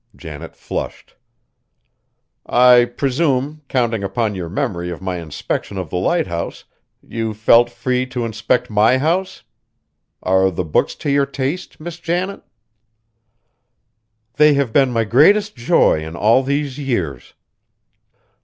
Janet flushed. "I presume, counting upon your memory of my inspection of the lighthouse, you felt free to inspect my house. Are the books to your taste, Miss Janet?" "They have been my greatest joy in all these years."